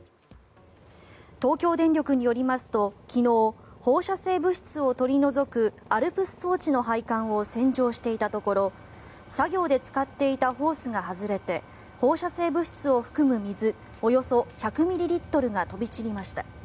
東京電力によりますと、昨日放射性物質を取り除くＡＬＰＳ装置の配管を洗浄していたところ作業で使っていたホースが外れて放射性物質を含む水およそ１００ミリリットルが飛び散りました。